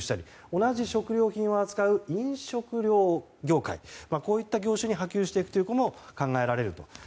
同じ食料品を扱う飲食料業界といった業種に波及していくことも考えられると。